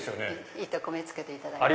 いいとこ目つけていただいた。